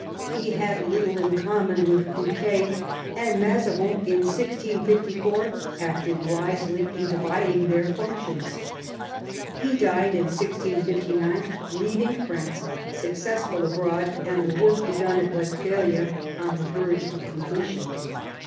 He had little in common with Fouquet, and Mazarin in 1654 acted wisely in dividing their functions. He died in 1659, leaving France successful abroad and the work begun at Westphalia on the verge of completion.